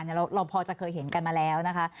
คุณผู้ชมพอจะเคยเห็นกันมาแล้วนะคะ